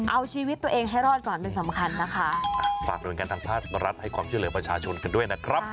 เอาชีวิตตัวเองให้รอดก่อนเป็นสำคัญนะคะ